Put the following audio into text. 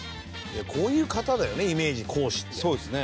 「こういう方だよねイメージ講師って」